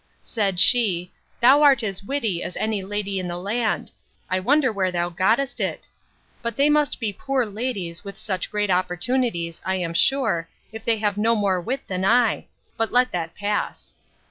Said she, Thou art as witty as any lady in the land; I wonder where thou gottest it. But they must be poor ladies, with such great opportunities, I am sure, if they have no more wit than I.—But let that pass.